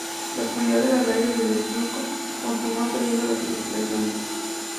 La oscuridad de las raíces del etrusco continúa atrayendo las investigaciones.